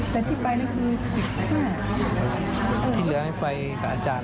แต่ที่ไปนี่คือสิบห้าอ๋อที่เหลือไปกับอาจารย์อ๋อ